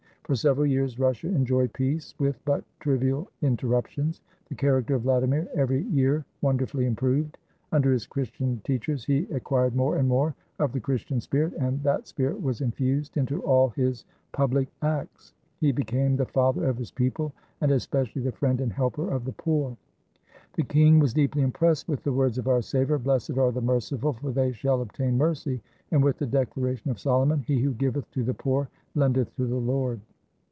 For several years Russia enjoyed peace with but trivial in terruptions. The character of Vladimir every year won derfully improved. Under his Christian teachers he ac quired more and more of the Christian spirit, and that spirit was infused into all his public acts. He became the father of his people, and especially the friend and helper of the poor. The king was deeply impressed with the words of our Saviour, "Blessed are the merciful, for they shall obtain mercy," and with the declaration of Solo mon, "He who giveth to the poor lendeth to the Lord."